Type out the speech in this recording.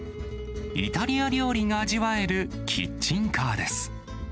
イタリア料理が味わえるキッチンカーです。